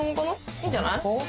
いいんじゃない？